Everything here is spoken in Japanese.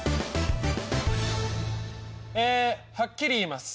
えはっきり言います。